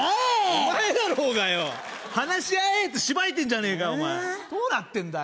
お前だろうがよ「話し合え」ってしばいてんじゃねえかお前どうなってんだよ